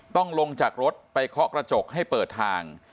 ต้องลงจากรถไปเคาะกระจกให้เปิดทาง